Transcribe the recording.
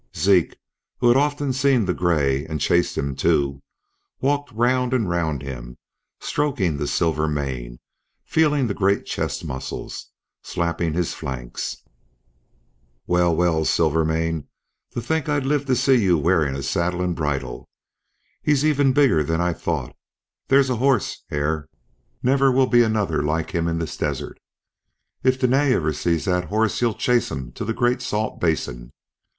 Zeke, who had often seen the gray and chased him too, walked round and round him, stroking the silver mane, feeling the great chest muscles, slapping his flanks. "Well, well, Silvermane, to think I'd live to see you wearing a saddle and bridle! He's even bigger than I thought. There's a horse, Hare! Never will be another like him in this desert. If Dene ever sees that horse he'll chase him to the Great Salt Basin.